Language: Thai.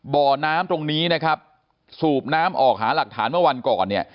บ่อน้ำตรงนี้นะครับสูบน้ำออกหาหลักฐานเมื่อวันก่อนเนี่ย